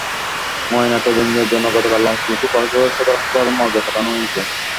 ময়নাতদন্তের জন্য গতকাল লাশ দুটি কক্সবাজার সদর হাসপাতালের মর্গে পাঠানো হয়েছে।